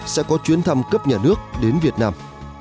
sẽ có chuyến thăm cấp nhà nước đến việt nam